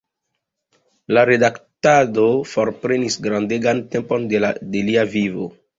La redaktado forprenis grandegan tempon de lia vivo.